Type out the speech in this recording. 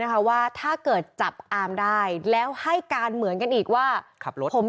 ว่าถ้าเกิดจับอามได้แล้วให้การเหมือนกันอีกว่าขับรถผม